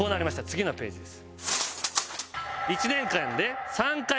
次のページです。